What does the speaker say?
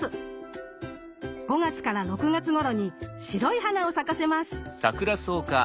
５月６月頃に白い花を咲かせます。